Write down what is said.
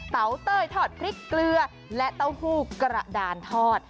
เต้ยทอดพริกเกลือและเต้าหู้กระดานทอด